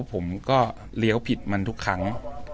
ผมก็เลี้ยวผิดมันทุกครั้ง